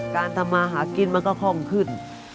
การทำมาหากินมันก็คล่องขึ้น